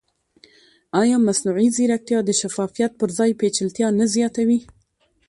ایا مصنوعي ځیرکتیا د شفافیت پر ځای پېچلتیا نه زیاتوي؟